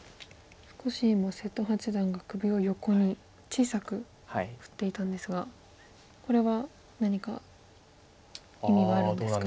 少し今瀬戸八段が首を横に小さく振っていたんですがこれは何か意味はあるんですか？